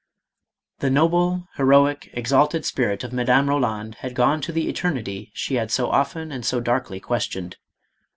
620 MADAME ROLAND. The noble, heroic, exalted spirit of Madame Eoland had gone to the eternity she had so often and so darkly questioned.